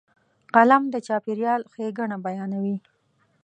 قلم د چاپېریال ښېګڼه بیانوي